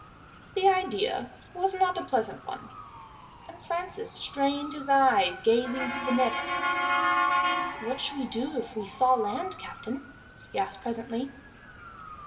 The idea was not a pleasant one, and Francis strained his eyes, gazing through the mist. "What should we do if we saw land, captain?" he asked presently.